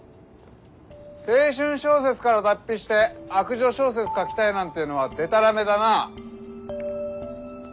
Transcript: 青春小説から脱皮して悪女小説書きたいなんていうのはでたらめだな。